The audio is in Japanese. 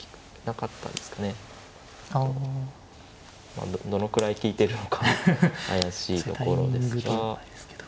まあどのくらい利いてるのか怪しいところですが。